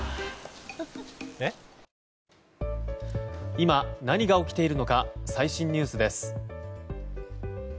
今、何が起きているのか最新ニュースです。